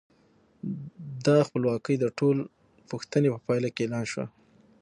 دا خپلواکي د ټول پوښتنې په پایله کې اعلان شوه.